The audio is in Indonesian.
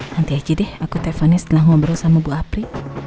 nanti aja deh aku tenis setelah ngobrol sama bu apri